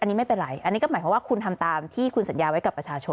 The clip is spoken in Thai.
อันนี้ไม่เป็นไรอันนี้ก็หมายความว่าคุณทำตามที่คุณสัญญาไว้กับประชาชน